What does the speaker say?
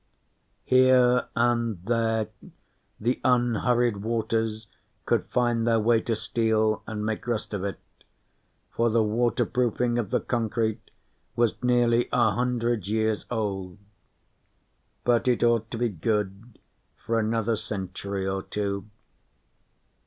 Here and there, the unhurried waters could find their way to steel and make rust of it, for the waterproofing of the concrete was nearly a hundred years old. But it ought to be good for another century or two.